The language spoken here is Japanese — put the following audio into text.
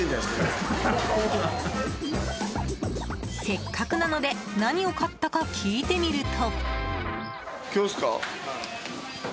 せっかくなので何を買ったか聞いてみると。